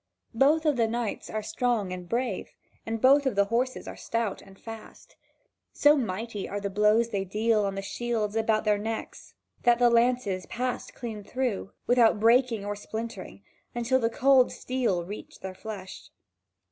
Both of the knights are strong and brave, and both of the horses are stout and fast. So mighty are the blows they deal on the shields about their necks that the lances passed clean through, without breaking or splintering, until the cold steel reached their flesh.